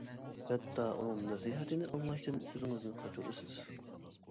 ھەتتا ئۇنىڭ نەسىھەتىنى ئاڭلاشتىن ئۆزىڭىزنى قاچۇرىسىز.